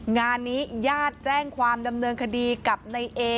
งานนี้ญาติแจ้งความดำเนินคดีกับนายเอ